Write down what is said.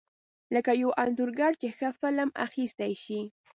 لکه یو انځورګر چې ښه فلم اخیستی شي.